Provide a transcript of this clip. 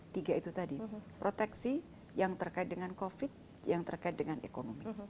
tiga itu tadi proteksi yang terkait dengan covid yang terkait dengan ekonomi